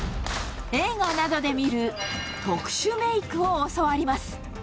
映画などで見る、特殊メークを教わります。